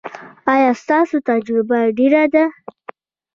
ایا ستاسو تجربه ډیره ده؟